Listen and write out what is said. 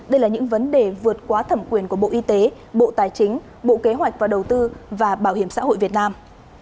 đây là những vấn đề vượt quá thẩm quyền của bộ y tế bộ tài chính bộ kế hoạch và đầu tư và bảo hiểm xã hội việt nam